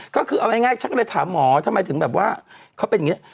ก็คือเอาง่ายฉันก็เลยถามหมอทำไมถึงแบบว่าเขาเป็นอย่างนี้